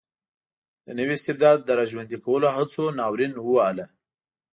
د نوي استبداد د را ژوندي کولو هڅو ناورین ووهله.